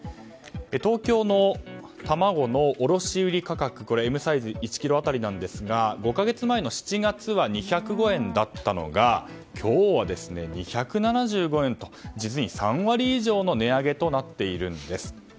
東京の卵の卸売価格Ｍサイズ１ｋｇ当たりなんですが５か月前の７月は２０５円だったのが今日は２７５円と実に３割以上の値上げとなっているんです。